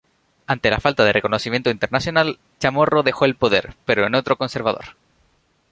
Ante la falta de reconocimiento internacional, Chamorro dejó el poder, pero en otro conservador.